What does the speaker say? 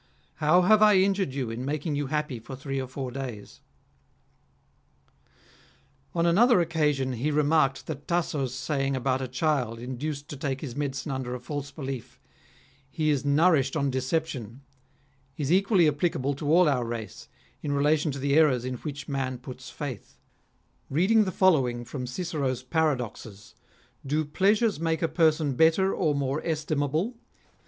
How have I injured you, in making you happy for three or four days ?" On another occasion he remarked that Tasso's saying about a child induced to take his medicine under a false belief, " he is nourished on deception," is equally appli cable to all our race, in relation to the errors in which man puts faith. Reading the following from Cicero's " Paradoxes "—" Do pleasures make a person better or more estimable